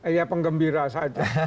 ya penggembira saja